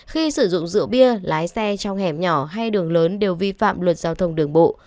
khi sử dụng rượu bia lái xe trong hẻm nhỏ hay đường lớn đều vi phạm luật giao thông đường bộ